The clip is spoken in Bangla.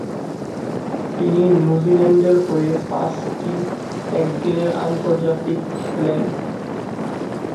তিনি নিউজিল্যান্ডের হয়ে পাঁচটি একদিনের আন্তর্জাতিক খেলেন।